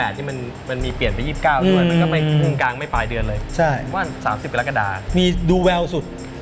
อันนี้มันมีเปลี่ยนไป๒๙ด้วยมันก็ไม่กุ้งกลางไม่ปลายเดือนเลยว่า๓๐กรกฎามีดูแววสุด